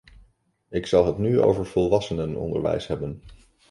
Ik zal het nu over volwassenenonderwijs hebben.